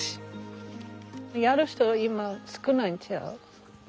やる人今少ないんちゃう？